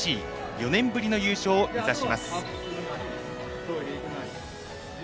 ４年ぶりの優勝を目指します。